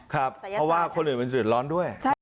เพราะว่าคนอื่นมันจะเดินร้อนด้วย